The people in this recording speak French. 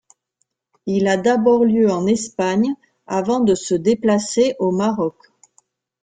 Il a d'abord lieu en Espagne avant de se déplacer au Maroc.